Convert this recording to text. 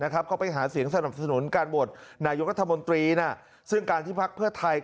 เข้าไปหาเสียงสนับสนุนการโหวตนายกรัฐมนตรีซึ่งการที่พักเพื่อไทย